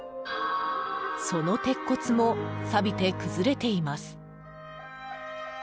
その鉄骨も、さびて崩れています。